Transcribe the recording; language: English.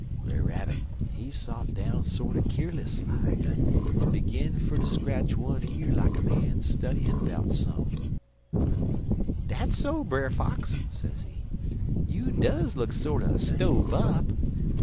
"Brer Rabbit, he sot down sorter keerless like, en begin fer ter scratch one year like a man studyin' 'bout sump'n. "'Dat's so, Brer Fox,' sezee, 'you duz look sorter stove up.